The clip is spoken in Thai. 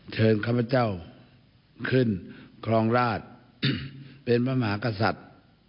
เชิญข้าพเจ้าขึ้นครองราชเป็นพระมหากษัตริย์